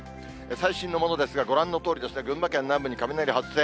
最新のものですが、ご覧のとおり、群馬県南部に雷発生。